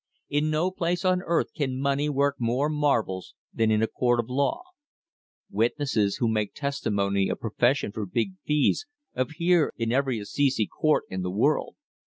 In no place on earth can money work more marvels than in a court of law. Witnesses who make testimony a profession for big fees appear in every Assize court in the world.